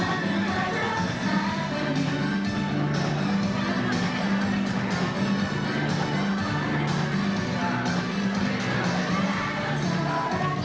โอนิกิริจิมาก